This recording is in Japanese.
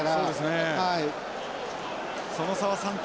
その差は３点。